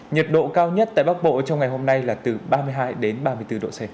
nhiệt độ cao nhất tại bắc bộ trong ngày hôm nay là từ ba mươi hai đến ba mươi bốn độ c